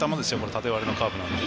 縦割れのカーブなので。